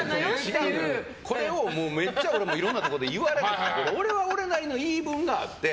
違うの、これをめっちゃ俺もいろんなとこで言われるけど俺は俺なりの言い分があって。